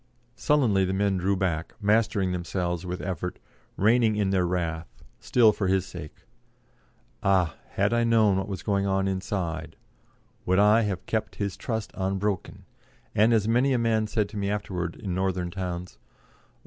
Sullenly the men drew back, mastering themselves with effort, reining in their wrath, still for his sake. Ah! had I known what was going on inside, would I have kept his trust unbroken! and, as many a man said to me afterwards in northern towns, "Oh!